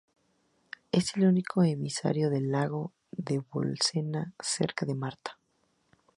Es el único emisario del lago de Bolsena, cerca de Marta.